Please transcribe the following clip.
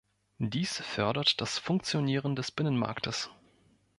Dies fördert das Funktionieren des Binnenmarktes.